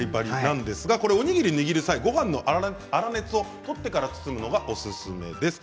おにぎりを握る際ごはんの粗熱を取ってから包むのがおすすめです。